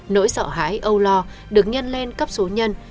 nỗi sợ hãi âu lo được nhân lên cấp số nhân